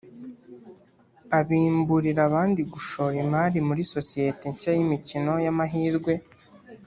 abimburira abandi gushora imari muri sosiyete nshya y’imikino y’amahirwe